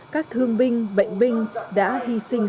các thương binh bệnh binh đã hy sinh